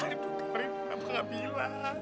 aduh marin kenapa gak bilang